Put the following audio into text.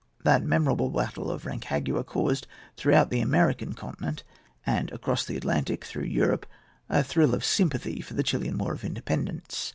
That memorable battle of Rancagua caused throughout the American continent, and, across the Atlantic, through Europe, a thrill of sympathy for the Chilian war of independence.